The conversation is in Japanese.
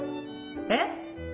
えっ？